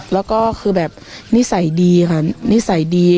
แล้วก็คือแบบนิสัยดีค่ะนิสัยดี